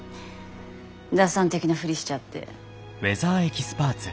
打算的なふりしちゃって。